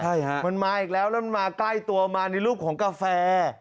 ใช่ฮะมันมาอีกแล้วแล้วมันมาใกล้ตัวมาในรูปของกาแฟ